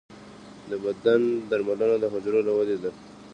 د بدن درملنه د حجرو له ودې ده.